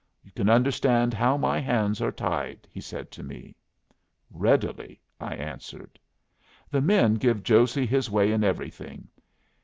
"You can understand how my hands are tied," he said to me. "Readily," I answered. "The men give Josey his way in everything.